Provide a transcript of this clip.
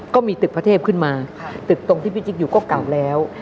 ก็มีตึกพระเทพขึ้นมาตึกตรงที่พี่จิ๊กอยู่ก็เก่าแล้ว